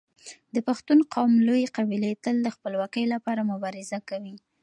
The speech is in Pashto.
د پښتون قوم لويې قبيلې تل د خپلواکۍ لپاره مبارزه کوي.